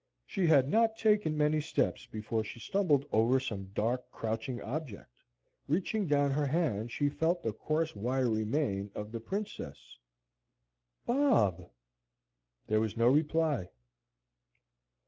She had not taken many steps before she stumbled over some dark crouching object. Reaching down her hand she felt the coarse wiry mane of the Princess. "Bob!" There was no reply.